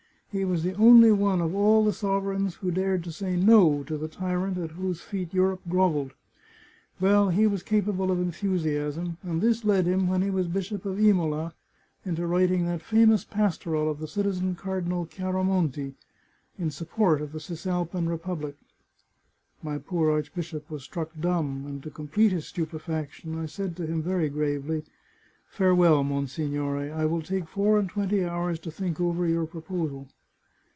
He was the only one of all the sovereigns who dared to say No to the tyrant at whose feet Europe grovelled. Well, he was capable of enthusiasm, and this led him, when he was Bishop of Imola, into writing that famous pastoral of the Citizen Cardinal Chiaramonti, in sup port of the Cisalpine Republic." "' My poor archbishop was struck dumb, and to com plete his stupefaction I said to him, very gravely :" Fare well, monsignore ; I will take four and twenty hours to think over your proposal."